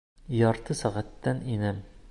Ярты сәғәттән инәм.